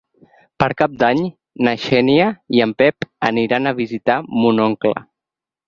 Per Cap d'Any na Xènia i en Pep aniran a visitar mon oncle.